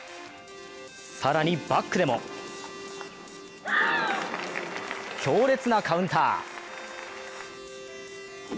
更にバックでも強烈なカウンター。